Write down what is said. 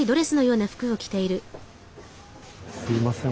すいません。